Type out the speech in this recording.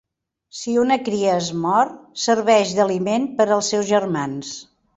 Si una cria es mor, serveix d'aliment per als seus germans.